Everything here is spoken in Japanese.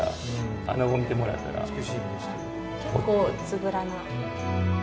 結構つぶらな。